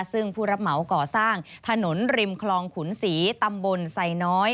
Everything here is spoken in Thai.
ซึ่งผู้รับเหมาก่อสร้างถนนริมคลองขุนศรีตำบลไซน้อย